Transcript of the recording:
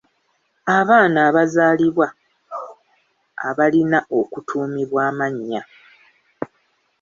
Abaana abazaalibwa abalina okutuumibwa amannya.